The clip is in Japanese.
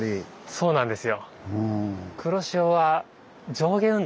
そうなんです。